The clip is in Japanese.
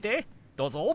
どうぞ。